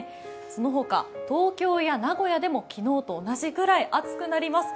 その他、東京や名古屋でも昨日と同じくらい暑くなります。